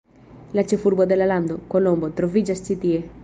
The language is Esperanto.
La ĉefurbo de la lando, Kolombo, troviĝas ĉi tie.